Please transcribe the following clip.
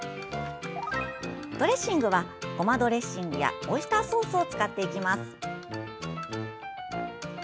ドレッシングはごまドレッシングやオイスターソースを使っていきます。